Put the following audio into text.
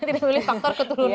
tidak memiliki faktor keturunan